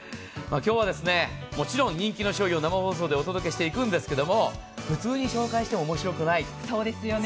今日はもちろん人気の商品を生放送でお届けしていくんですが普通に紹介しても面白くない。